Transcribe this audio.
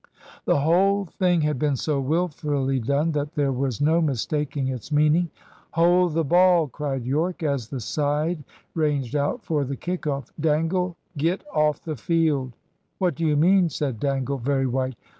The whole thing had been so wilfully done that there was no mistaking its meaning. "Hold the ball!" cried Yorke, as the side ranged out for the kick off. "Dangle, get off the field." "What do you mean?" said Dangle, very white.